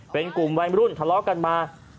เป็นกลุ่มวัยมรุ่นทะเลาะกันมา